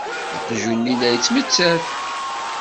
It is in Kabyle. Aqjun-nni la yettmettat.